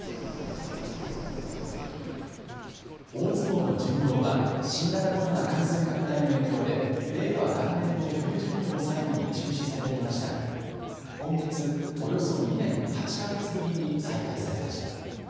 大相撲の巡業は新型コロナ感染拡大の影響で令和元年の冬巡業を最後に中止されていましたが今月、およそ２年８か月ぶりに再開されました。